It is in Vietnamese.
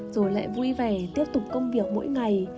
rồi lại vui vẻ tiếp tục công việc mỗi ngày